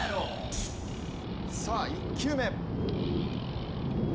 さあ、１球目。